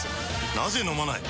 なぜ飲まない？